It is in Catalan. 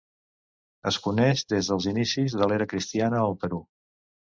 Es coneix des dels inicis de l'era cristiana al Perú.